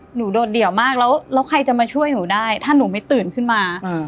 โดดเดี่ยวมากแล้วใครจะมาช่วยหนูได้ถ้าหนูไม่ตื่นขึ้นมา